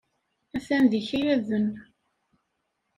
A-t-an d ikayaden.